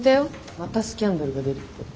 またスキャンダルが出るって。